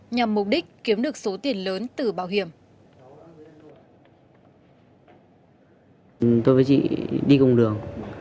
nhằm mục đích kiếm được số tiền thuê năm mươi triệu đồng